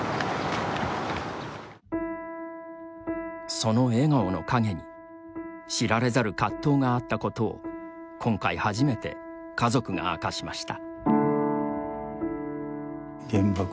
その笑顔の陰に知られざる葛藤があったことを今回初めて、家族が明かしました。